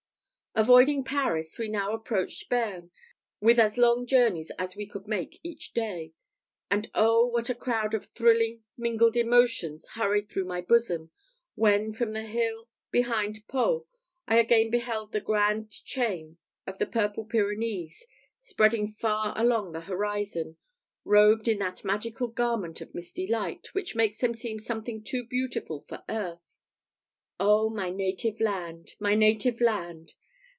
Avoiding Paris, we now approached Bearn, with as long journeys as we could make each day; and oh, what a crowd of thrilling, mingled emotions hurried through my bosom, when, from the hill behind Pau, I again beheld the grand chain of the purple Pyrenees spreading far along the horizon, robed in that magical garment of misty light, which makes them seem something too beautiful for earth! Oh, my native land! my native land!